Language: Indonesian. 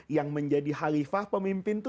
yang menjadi halifah pemimpin itu